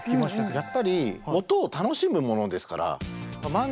やっぱり音を楽しむものですから。